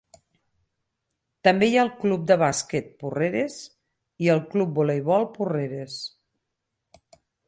També hi ha el Club de Basquet Porreres i el Club Voleibol Porreres.